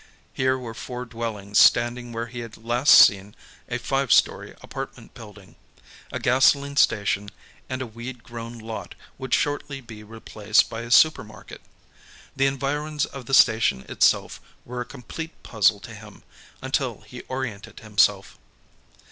Here were four dwellings standing where he had last seen a five story apartment building. A gasoline station and a weed grown lot would shortly be replaced by a supermarket. The environs of the station itself were a complete puzzle to him, until he oriented himself.